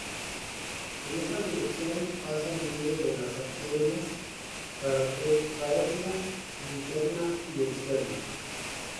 En esa dirección pasa en medio de las arterias carótida interna y externa.